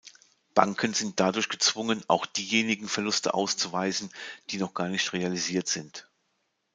Banken sind dadurch gezwungen, auch diejenigen Verluste auszuweisen, die noch gar nicht realisiert sind.